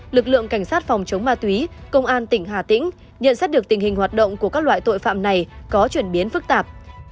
lực lượng cảnh sát phòng chống ma túy công an tỉnh hà tĩnh nhận xét được tình hình hoạt động của các loại tội phạm này có chuyển biến phức tạp